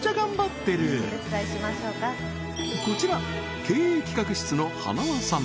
こちら経営企画室の塙さん